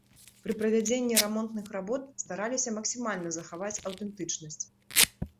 Пры правядзенні рамонтных работ стараліся максімальна захаваць аўтэнтычнасць.